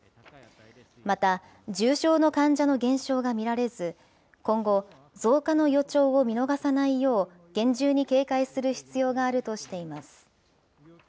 また、重症の患者の減少が見られず、今後、増加の予兆を見逃さないよう、厳重に警戒する必要があるとしています。